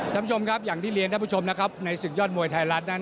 ท่านผู้ชมครับอย่างที่เรียนท่านผู้ชมนะครับในศึกยอดมวยไทยรัฐนั้น